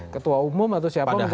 ketua umum atau siapa misalnya